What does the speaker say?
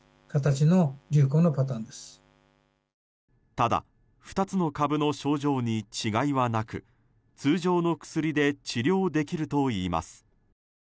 ただ、２つの株の症状に違いはなく通常の薬で治療できるといいます。